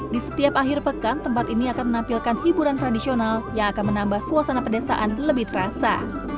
di setiap akhir pekan tempat ini akan menampilkan hiburan tradisional yang akan menambah suasana pedesaan lebih terasa